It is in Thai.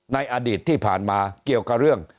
ในอดีตที่ผ่านมาเกี่ยวกับเรื่อง